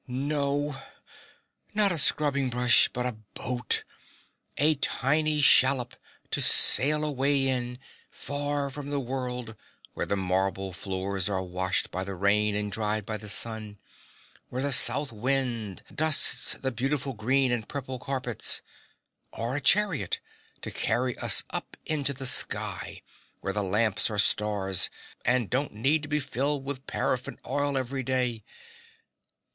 No, not a scrubbing brush, but a boat a tiny shallop to sail away in, far from the world, where the marble floors are washed by the rain and dried by the sun, where the south wind dusts the beautiful green and purple carpets. Or a chariot to carry us up into the sky, where the lamps are stars, and don't need to be filled with paraffin oil every day.